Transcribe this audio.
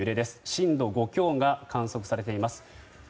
震度５強が観測されています。